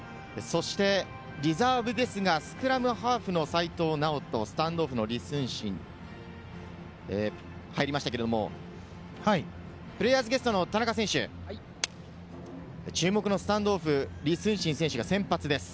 そしてリザーブですが、スクラムハーフの齋藤直人、スタンドオフの李承信、入りましたけれども、プレーヤーズゲストの田中選手、注目のスタンドオフ・李承信選手は先発です。